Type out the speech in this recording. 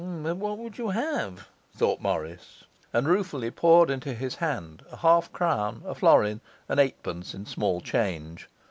'But what would you have?' thought Morris; and ruefully poured into his hand a half crown, a florin, and eightpence in small change.